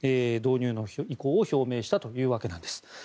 導入の意向を表明したというわけなんです。